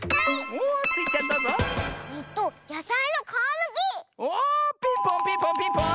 おおピンポンピンポンピンポーン！